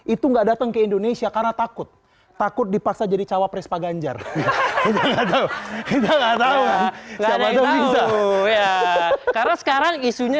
itu enggak datang ke indonesia karena takut takut dipaksa jadi cawapres paganjar karena sekarang isunya